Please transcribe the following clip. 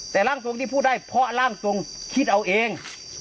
แต่ร่างทรงที่พูดได้เพราะร่างทรงคิดเอาเอง